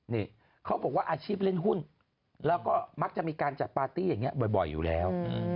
นี่เขาบอกว่าอาชีพเล่นหุ้นแล้วก็มักจะมีการจัดปาร์ตี้อย่างนี้บ่อยอยู่แล้ว